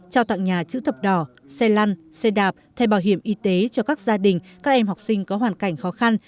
trao tặng nhà chữ thập đỏ xe lăn xe đạp thay bảo hiểm y tế cho các gia đình các em học sinh có hoàn cảnh khó khăn